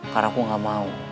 karena aku gak mau